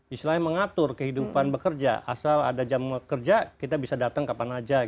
islahnya mengatur kehidupan bekerja asal ada jam bekerja kita bisa datang kapan saja